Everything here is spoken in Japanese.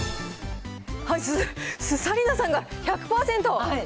鈴木紗理奈さんが１００％。